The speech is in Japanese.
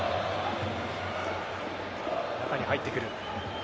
中に入ってくる。